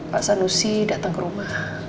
pak sanusi datang ke rumah